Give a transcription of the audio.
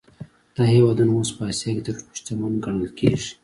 دا هېوادونه اوس په اسیا کې تر ټولو شتمن ګڼل کېږي.